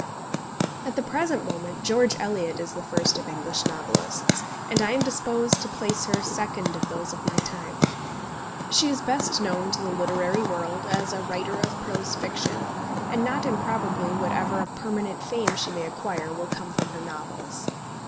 At the present moment George Eliot is the first of English novelists, and I am disposed to place her second of those of my time. She is best known to the literary world as a writer of prose fiction, and not improbably whatever of permanent fame she may acquire will come from her novels.